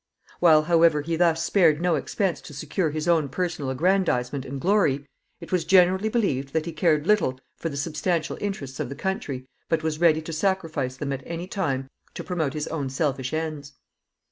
While, however, he thus spared no expense to secure his own personal aggrandizement and glory, it was generally believed that he cared little for the substantial interests of the country, but was ready to sacrifice them at any time to promote his own selfish ends.